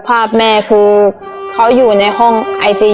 พี่ขับเล็กกว่านี้อีก